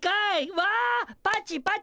わパチパチ。